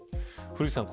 古市さん